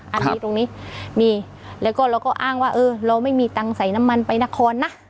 อันนี้ตรงนี้มีแล้วก็เราก็อ้างว่าเออเราไม่มีตังค์ใส่น้ำมันไปนครนะ